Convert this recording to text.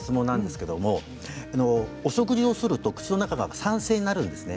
けれどお食事をすると口の中が酸性になるんですね。